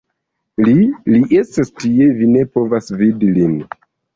Li, li estas tie, vi ne povas vidi lin.